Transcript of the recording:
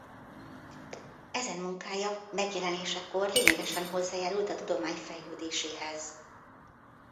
Ezen munkája megjelenésekor lényegesen hozzájárult a tudomány fejlődéséhez.